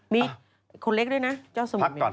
มีคนเล็กด้วยนะเจ้าสมุทร